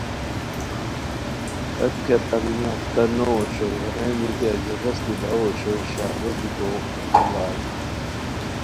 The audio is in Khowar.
تت کیہ تعلیم یافتہ نو اوشوئے، ہتیغین دیتی اچی غیستی باؤ اوشوئے شہرو بیکو موڑار